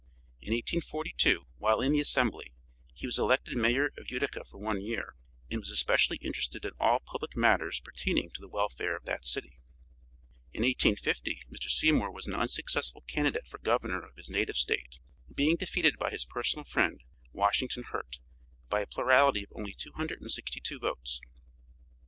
In 1842, while in the assembly, he was elected Mayor of Utica for one year, and was especially interested in all public matters pertaining to the welfare of that city. In 1850 Mr. Seymour was an unsuccessful candidate for governor of his native State, being defeated by his personal friend, Washington Hurt, by a plurality of only 262 votes.